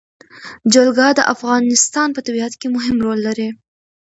جلګه د افغانستان په طبیعت کې مهم رول لري.